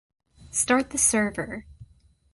Start the server